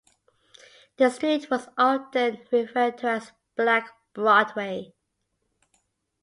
The street was often referred to as "Black Broadway".